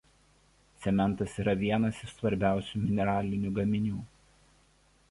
Cementas yra vienas iš svarbiausių mineralinių gaminių.